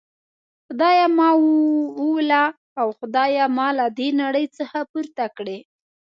خدایه ما ووله او خدایه ما له دي نړۍ څخه پورته کړي.